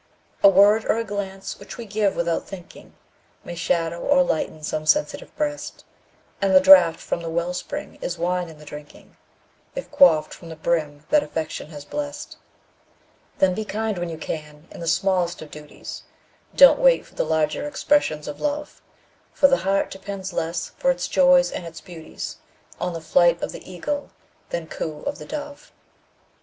A word or a glance which we give "without thinking", May shadow or lighten some sensitive breast; And the draught from the well spring is wine in the drinking, If quaffed from the brim that Affection has blest. Then be kind when you can in the smallest of duties, Don't wait for the larger expressions of Love; For the heart depends less for its joys and its beauties On the flight of the Eagle than coo of the Dove.